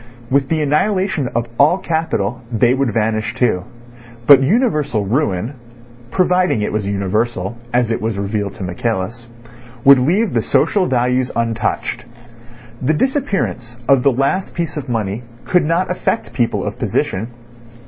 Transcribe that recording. With the annihilation of all capital they would vanish too; but universal ruin (providing it was universal, as it was revealed to Michaelis) would leave the social values untouched. The disappearance of the last piece of money could not affect people of position.